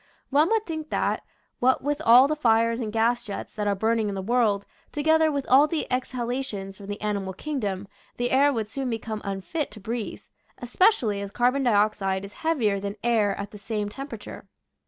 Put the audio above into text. One would think that, what with all the fires and gas jets that are burning in the world, together with all the exhalations from the ani mal kingdom, the air would soon become unfit to breathe, especially as carbon dioxide is heavier than air at the same temperature.